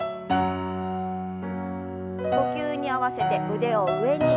呼吸に合わせて腕を上に。